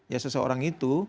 ya seseorang itu